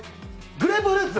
グレープフルーツ！